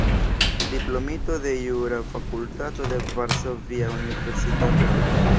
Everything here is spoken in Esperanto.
Diplomito de Jura Fakultato de Varsovia Universitato.